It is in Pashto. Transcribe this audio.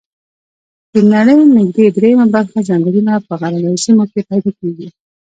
د نړۍ نږدي دریمه برخه ځنګلونه په غرنیو سیمو کې پیدا کیږي